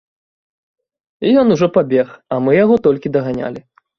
І ён ужо пабег, а мы яго толькі даганялі.